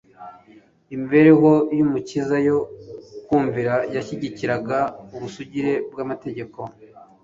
Imibereho y'Umukiza yo kumvira yashyigikiraga ubusugire bw'amategeko;